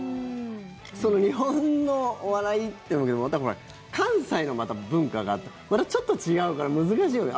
日本のお笑いっていうけど関西の文化がまたちょっと違うから難しいよね。